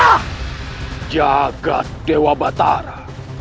dan menjaga dewa batara